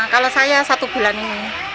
kalau saya satu bulan ini